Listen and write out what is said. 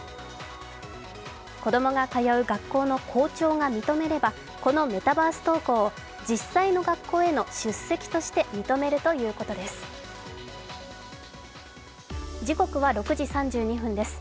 子供が通う学校の校長が認めればこのメタバース登校を実際の学校への出席として認めるということです。